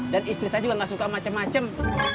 dan istri saya juga enggak suka macam macam